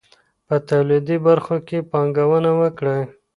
په توليدي برخو کي پانګونه وکړئ.